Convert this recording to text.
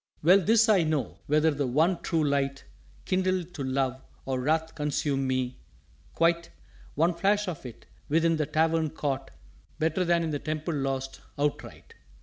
"_Well, this I know; whether the one True Light Kindle to Love, or Wrath consume me, quite, One flash of it within the Tavern caught Better than in the Temple lost outright.